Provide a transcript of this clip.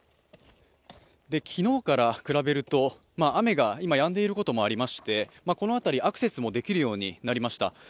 昨日から比べると雨が今、やんでいることもありましてこの辺り、アクセスもできるようになりました。